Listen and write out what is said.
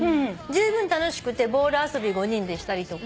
じゅうぶん楽しくてボール遊び５人でしたりして。